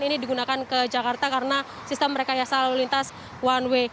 ini digunakan ke jakarta karena sistem rekayasa lalu lintas one way